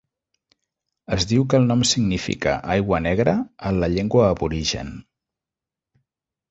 Es diu que el nom significa "Aigua negra" en la llengua aborigen.